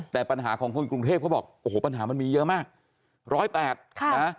แต่ปัญหาของคนกรุงเทพเขาบอกโอ้โหปัญหามันมีเยอะมาก๑๐๘นะ